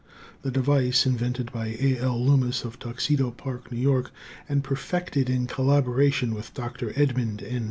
The device, invented by A. L. Loomis of Tuxedo Park, N. Y., and perfected in collaboration with Dr. Edmund N.